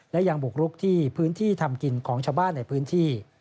และยังบุกรุกที่พื้นที่ทำกินของชาวบ้านในพื้นที่